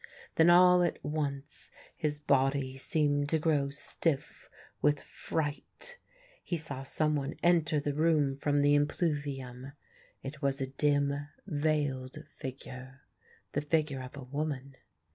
Then all at once his body seemed to grow stiff with fright. He saw someone enter the room from the impluvium. It was a dim, veiled figure, the figure of a woman.